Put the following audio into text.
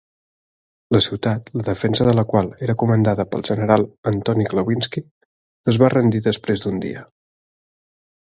La ciutat, la defensa de la qual era comandada pel general Antoni Chlewinski, es va rendir després d'un dia.